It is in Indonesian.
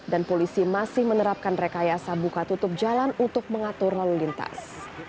dan polisi masih menerapkan rekayasa buka tutup jalan untuk mengatur lalu lintas